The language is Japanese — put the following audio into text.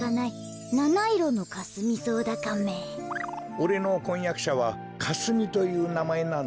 おれのこんやくしゃはかすみというなまえなんだよ。